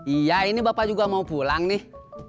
iya ini bapak juga mau pulang nih